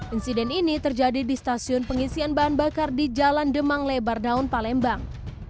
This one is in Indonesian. insiden ini terjadi di stasiun pengisian bahan bakar di jalan demang lebar daun palembang